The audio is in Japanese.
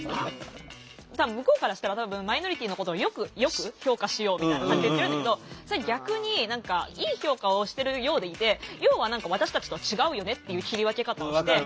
向こうからしたら多分マイノリティーのことをよく評価しようみたいな感じで言ってるんだけどそれ逆にいい評価をしてるようでいて要は何か私たちとは違うよねっていう切り分け方をして。